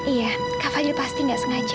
iya kak fadil pasti gak sengaja